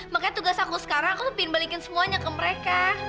makanya tugas aku sekarang aku pengen balikin semuanya ke mereka